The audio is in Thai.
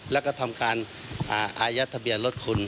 แล้วก็ทำการอายัดทะเบียนรถคุณ